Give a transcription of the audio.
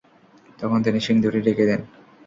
তখন তিনি শিং দুটি ঢেকে দেন।